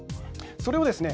それをですね